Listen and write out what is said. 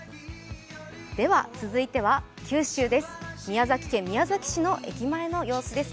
続いては九州です。